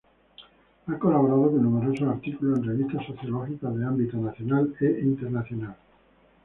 Ha colaborado con numerosos artículos en revistas sociológicas de ámbito nacional e internacional.